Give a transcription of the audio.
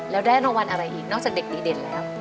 แล้วได้รางวัลอะไรอีกนอกจากเด็กดีเด่นแล้ว